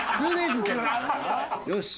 よし！